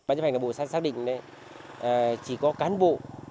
bác chấp hành bộ xã xác định chỉ có cán bộ